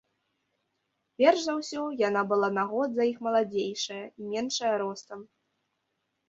Перш за ўсё, яна была на год за іх маладзейшая і меншая ростам.